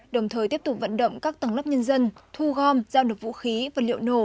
đồng thời tiếp tục vận động các tầng lớp nhân dân thu gom giao được vũ khí vật liệu nổ